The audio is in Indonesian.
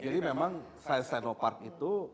jadi memang science sino park itu